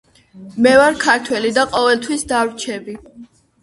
მე ვარ ქართველი და ყოველთის დავრჩები.